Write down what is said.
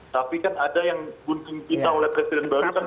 tapi kan ada yang gunting pinta oleh presiden baru kan